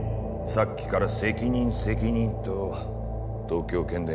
さっきから責任責任と東京建